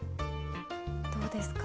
どうですか？